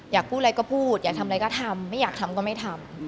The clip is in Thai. อยากพูดอะไรก็พูดอยากทำอะไรก็ทำไม่อยากทำก็ไม่ทำ